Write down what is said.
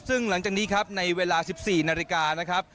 ซึ่งหลังจากนี้ครับในเวลา๑๔นาฬิกานะครับ